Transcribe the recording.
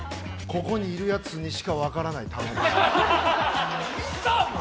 ここにいるやつにしか分からない球。